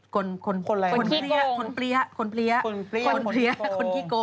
คนแรงคนพรี๊ะคนขี้โกง